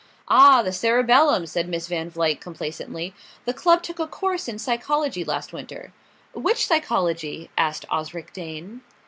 "Ah, the cerebellum," said Miss Van Vluyck complacently. "The club took a course in psychology last winter." "Which psychology?" asked Osric Dane.